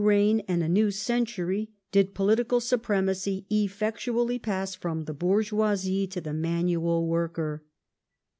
reign and a new century did political supremacy effectually pass from the bourgeoisie to the manual worker.